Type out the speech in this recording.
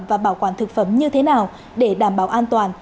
và bảo quản thực phẩm như thế nào để đảm bảo an toàn